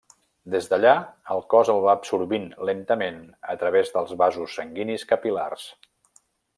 Des d'allà el cos el va absorbint lentament a través dels vasos sanguinis capil·lars.